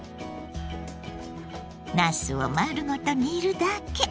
なすを丸ごと煮るだけ。